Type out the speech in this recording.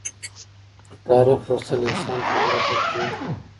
د تاریخ لوستل انسان ته عبرت ورکوي.